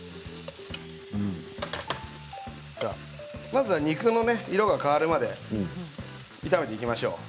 まずは肉の色が変わるまで炒めていきましょう。